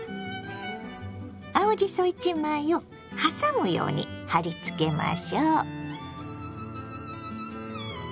青じそ１枚をはさむように貼りつけましょう。